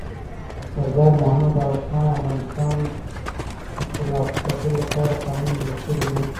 سردار محمد داود خان د افغانستان د خپلواکۍ ساتلو لپاره پلانونه جوړ کړي وو.